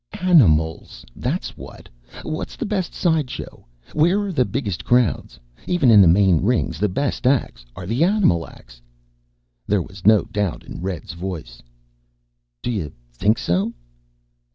"Animals, that's what! What's the best side show? Where are the biggest crowds? Even in the main rings the best acts are animal acts." There was no doubt in Red's voice. "Do you think so?"